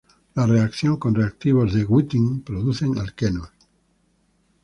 La reacción con reactivos de Wittig producen alquenos.